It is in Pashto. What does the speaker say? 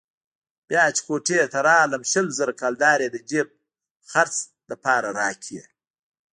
بيا چې کوټې ته راتلم شل زره کلدارې يې د جېب خرڅ لپاره راکړې.